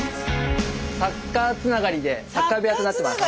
サッカーつながりでサッカー部屋となってます。